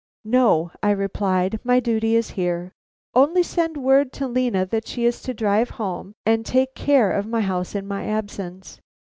"No," I replied. "My duty is here. Only send word to Lena that she is to drive home and take care of my house in my absence.